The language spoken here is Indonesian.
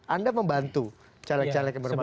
anda membantu caleg caleg yang bermasa